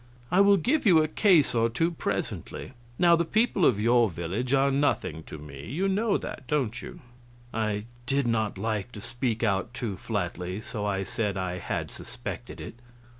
I will give you a case or two presently. Now the people of your village are nothing to me you know that, don't you?" I did not like to speak out too flatly, so I said I had suspected it.